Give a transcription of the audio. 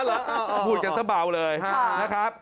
อ้าวเหรอพูดกันสะเบาเลยนะครับ